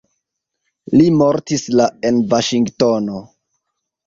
Li mortis la en Vaŝingtono.